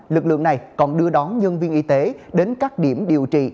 lực lượng này còn đưa đón nhân viên y tế đến các điểm điều trị